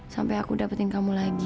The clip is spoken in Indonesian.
sampai aku dapetin kamu lagi